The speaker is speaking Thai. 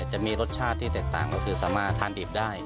จะมีรสชาติที่แตกต่างก็คือสามารถทานดิบได้